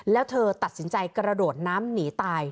แล้วเธอตัดสินใจกระโดดน้ำหนีตาย